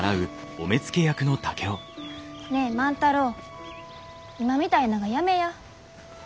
ねえ万太郎今みたいながやめや。